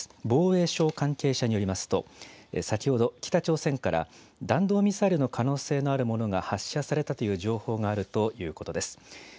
防衛省関係者によりますと、先ほど、北朝鮮から弾道ミサイルの可能性のあるものが発射されたという情報があるということです。